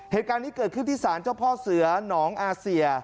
เหตุการณ์นี้เกิดขึ้นที่ศาลเจ้าพ่อเสือหนองอาเซีย